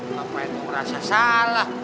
ngapain lo merasa salah